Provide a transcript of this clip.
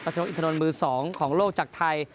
ชนกอินทนนท์มือ๒ของโลกจากไทย